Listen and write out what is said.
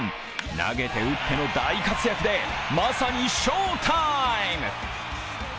投げて打っての大活躍でまさに翔タイム。